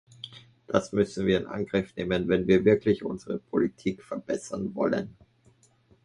Das müssen wir in Angriff nehmen, wenn wir wirklich unsere Politik verbessern wollen.